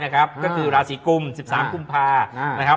ก็คือราศีกุม๑๓กุมภา